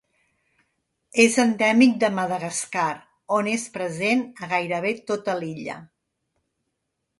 És endèmic de Madagascar, on és present a gairebé tota l'illa.